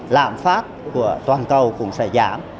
lạm phát của toàn cầu cũng sẽ giảm